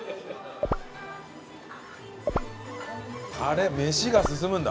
タレ飯が進むんだ。